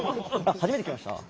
初めて聞きました？